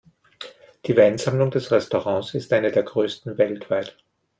Die Weinsammlung des Restaurants ist eine der größten weltweit.